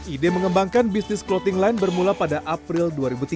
ide mengembangkan bisnis clothing line bermula pada april dua ribu tiga belas